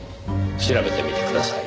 調べてみてください。